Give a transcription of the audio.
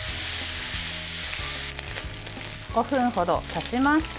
５分程たちました。